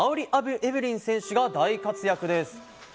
エブリン選手が大活躍です！